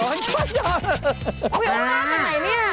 กูยังไม่รู้อะไรเป็นไหนเนี่ย